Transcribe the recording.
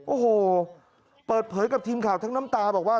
โอ้โหเปิดเผยกับทีมข่าวทั้งน้ำตาบอกว่า